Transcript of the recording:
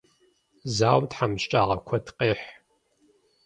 Зауэм тхьэмыщкӏагъэ куэд къехь.